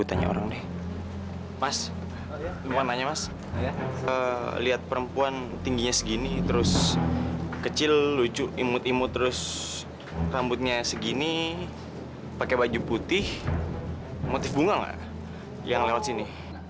tingginya segini terus kecil lucu imut imut terus rambutnya segini pakai baju putih motif bunga nggak yang lewat sini